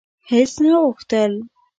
هیڅ نه غوښتل: